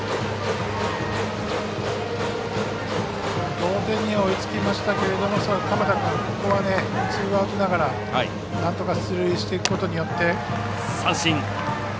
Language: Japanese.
同点には追いつきましたけれども鎌田君、ここはツーアウトながらなんとか出塁していくことによって。